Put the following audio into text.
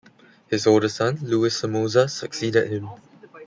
His older son, Luis Somoza, succeeded him.